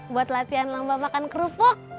buat latihan lomba makan kerupuk